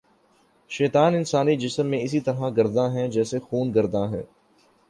شیطان انسانی جسم میں اسی طرح گرداں ہے جیسے خون گرداں ہے